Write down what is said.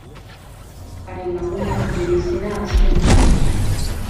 Normalean, haren lagunak bere izena ahazten dute.